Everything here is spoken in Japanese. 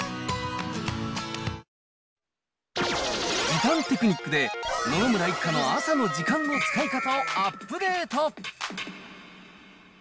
時短テクニックで、野々村一家の朝の時間の使い方をアップデート！